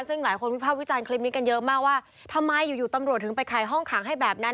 ซึ่งหลายคนวิภาพวิจารณ์คลิปนี้กันเยอะมากว่าทำไมอยู่อยู่ตำรวจถึงไปขายห้องขังให้แบบนั้น